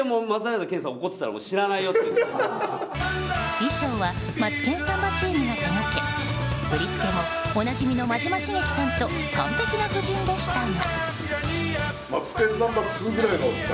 衣装は、「マツケンサンバ」チームが手掛け振り付けもおなじみの真島茂樹さんと完璧な布陣でしたが。